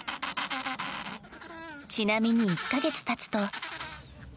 ちなみに、１か月たつと。